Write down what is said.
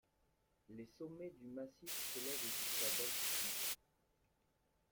Les sommets du massif s'élèvent jusqu'à d'altitude.